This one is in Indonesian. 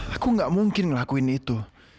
aku gak mungkin ngelakuin itu